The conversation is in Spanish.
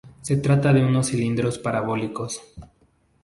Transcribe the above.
Se trata de unos cilindros parabólicos.